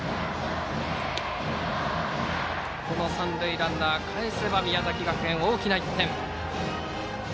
三塁ランナーをかえせば宮崎学園、大きな１点。